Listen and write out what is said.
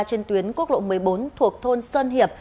trên tuyến quốc lộ một mươi bốn thuộc thôn sơn hiệp